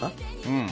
うん。